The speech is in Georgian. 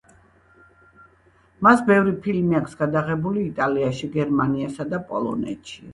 მას ბევრი ფილმი აქვს გადაღებული იტალიაში, გერმანიასა და პოლონეთში.